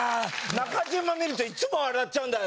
「中島見るといつも笑っちゃうんだよ」。